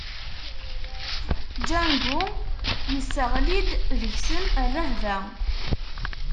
Django yesseɣli-d deg-sen rrehba.